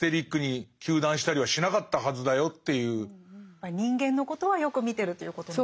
やっぱり人間のことはよく見てるということなんでしょうかね。